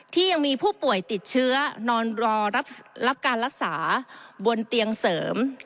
ยังมีผู้ป่วยติดเชื้อนอนรอรับการรักษาบนเตียงเสริม